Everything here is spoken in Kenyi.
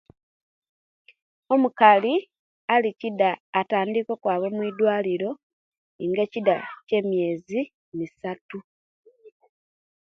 Omukali alikida atandika okwaba omuidwaliro inga ekida kyemiezi isatu